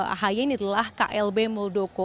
ahy ini adalah klb muldoko